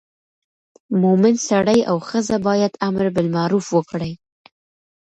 مومن سړی او ښځه باید امر بالمعروف وکړي.